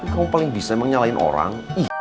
kamu paling bisa menyalahin orang